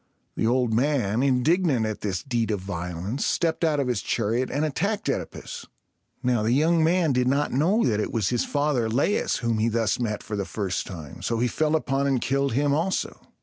The old man, indignant at this deed of violence, stepped out of his chariot and attacked OEdipus. Now, the young man did not know that it was his father Laius whom he thus met for the first time, so he fell upon and killed him also.